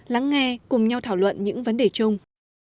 lắng nghe cùng nhau thảo luận những vấn đề chung